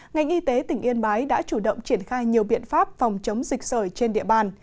ngành y tế tỉnh yên bái đã chủ động triển khai nhiều biện pháp phòng chống dịch sởi trên địa bàn